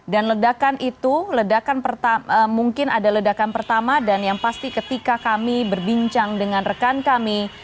dan ledakan itu mungkin ada ledakan pertama dan yang pasti ketika kami berbincang dengan rekan kami